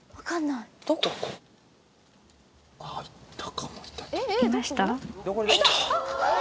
いた。